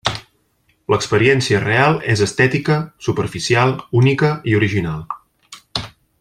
L'experiència real és estètica, superficial, única i original.